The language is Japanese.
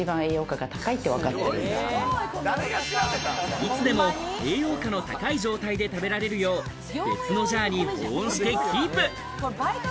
いつでも栄養価の高い状態で食べられるよう別のジャーに保温してキープ。